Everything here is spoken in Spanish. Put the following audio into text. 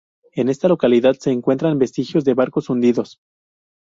En esta localidad se encuentran vestigios de barcos hundidos.